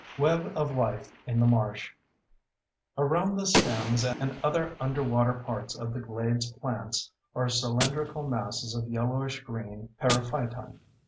Web of Life in the Marsh Around the stems and other underwater parts of the glades plants are cylindrical masses of yellowish green periphyton.